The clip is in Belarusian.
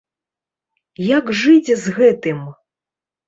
Як жыць з гэтым?